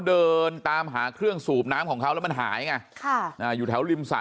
เดินตามหาเครื่องสูบน้ำของเขาแล้วมันหายไงค่ะอ่าอยู่แถวริมสระ